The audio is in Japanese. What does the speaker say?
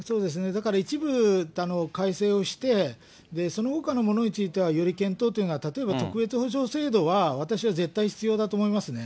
だから一部改正をして、そのほかのものについては、より検討っていうのが、例えば特別補助制度は私は絶対必要だと思いますね。